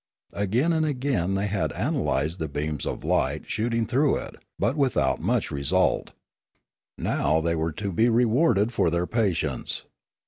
Again and again had they ana lysed the beams of light shooting through it, but with out much result. Now they were to be rewarded for their patience.